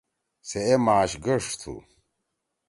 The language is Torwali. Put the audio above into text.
سے اے ماش گَݜ تُھو۔